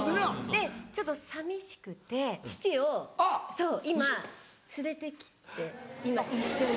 でちょっと寂しくて父をそう今連れてきて一緒に。